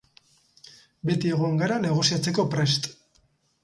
Beti egon gara negoziatzeko prest.